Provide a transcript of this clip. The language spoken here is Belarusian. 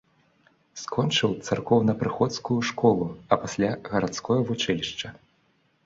Скончыў царкоўнапрыходскую школу, а пасля гарадское вучылішча.